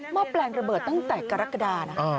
แปลงระเบิดตั้งแต่กรกฎานะ